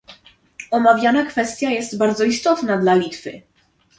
Omawiana kwestia jest bardzo istotna dla Litwy